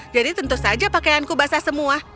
jadi tentu saja pakaianku basah semua